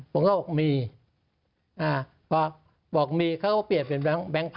ผมก็บอกมีพอบอกมีเขาก็เปลี่ยนเป็นแบงค์พัน